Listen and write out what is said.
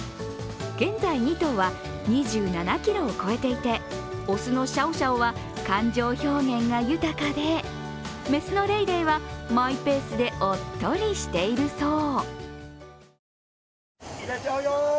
現在２頭は２７ｋｇを超えていて、雄のシャオシャオは感情表現が豊かで、雌のレイレイはマイペースでおっとりしているそう。